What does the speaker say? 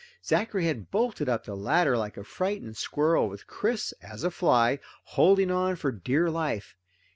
Zachary had bolted up the ladder like a frightened squirrel, with Chris, as a fly, holding on for dear life.